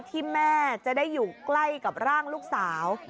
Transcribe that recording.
ที่แม่จะได้อยู่ใกล้กับร่างลูกสาว